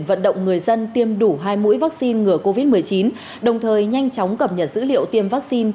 vận động người dân tiêm đủ hai mũi vaccine ngừa covid một mươi chín đồng thời nhanh chóng cập nhật dữ liệu tiêm vaccine